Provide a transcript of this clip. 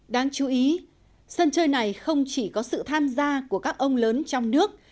đáng chú ý sân chơi này không chỉ có sự tham gia của các ông lớn trong nước